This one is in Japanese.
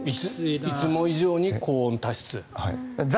いつも以上に高温多湿。